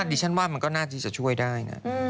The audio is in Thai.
ดิฉันว่ามันก็น่าจะช่วยได้นะ